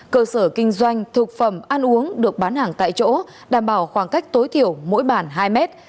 cơ sở kinh doanh thực phẩm ăn uống được bán hàng tại chỗ đảm bảo khoảng cách tối thiểu mỗi bản hai mét